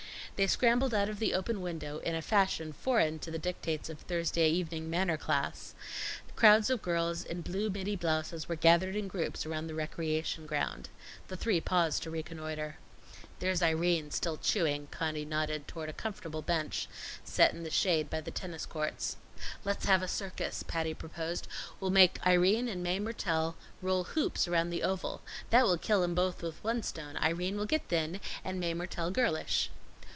They scrambled out of the open window, in a fashion foreign to the dictates of Thursday evening manner class. Crowds of girls in blue middy blouses were gathered in groups about the recreation ground. The three paused to reconnoiter. "There's Irene, still chewing." Conny nodded toward a comfortable bench set in the shade by the tennis courts. "Let's have a circus," Patty proposed. "We'll make Irene and Mae Mertelle roll hoops around the oval. That will kill 'em both with one stone Irene will get thin, and Mae Mertelle girlish."